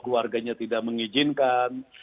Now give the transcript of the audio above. keluarganya tidak mengizinkan